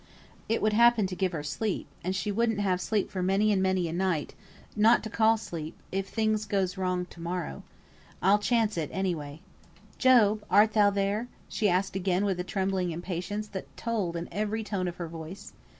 It would happen give her sleep, and she won't have sleep for many and many a night (not to call sleep), if things goes wrong to morrow. I'll chance it, any way." "Job! art thou there?" asked she again with a trembling impatience that told in every tone of her voice.